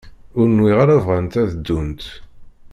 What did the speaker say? Ur nwiɣ ara bɣant ad ddunt.